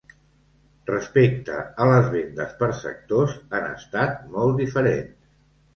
Respecte a les vendes per sectors, han estat molt diferents.